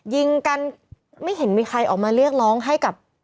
ยิงกันไม่เห็นมีใครออกมาเรียกร้องให้กับ